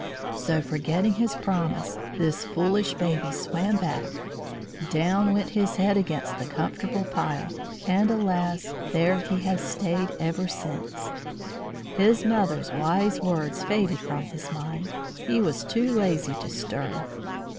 So, forgetting his promise, this foolish baby swam back. Down went his head against the comfortable pile, and alas! there he has stayed ever since. His mother's wise words faded from his mind. He was too lazy to stir.